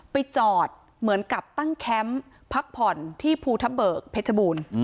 ไปจอดเหมือนกับตั้งแคมป์พักผ่อนที่ภูทะเบิกเพชรบูรณ์